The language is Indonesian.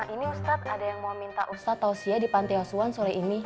ini ustadz ada yang mau minta ustadz tausiyah di panti asuhan sore ini